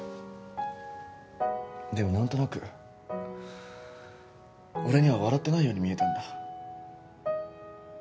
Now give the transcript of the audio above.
でも何となく俺には笑ってないように見えたんだ。